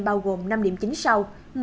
bao gồm năm điểm chính sau